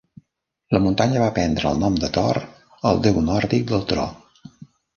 La muntanya va prendre el nom de Thor, el déu nòrdic del tro.